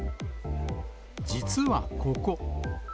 実はここ。